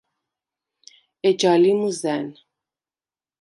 ეჯა ლი მჷზა̈ნ.